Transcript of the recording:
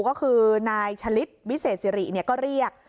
ก็คือนายชะลิดวิเศษสิริก็เรียก